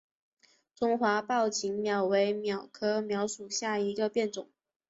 中华抱茎蓼为蓼科蓼属下的一个变种。